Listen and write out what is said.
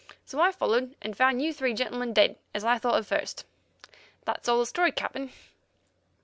So I followed and found you three gentlemen, dead, as I thought at first. That's all the story, Captain."